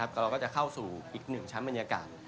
ก็เราก็จะเข้าสู่อีกหนึ่งชั้นบรรยากาศ